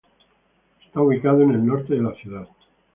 Está ubicado en el norte de la ciudad.